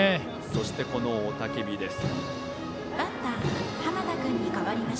そして雄たけびです。